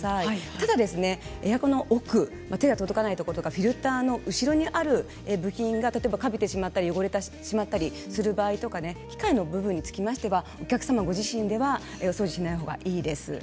ただ、エアコンの奥手が届かないところフィルターの後ろにある部品がかびてしまったり汚れてしまったりする場合機械の部分についてはお客様ご自身では掃除しない方がいいです。